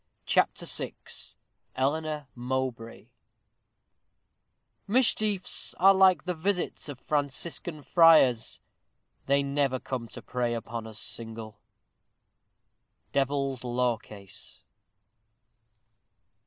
CHAPTER VI ELEANOR MOWBRAY Mischiefs Are like the visits of Franciscan friars, They never come to prey upon us single. _Devil's Law Case.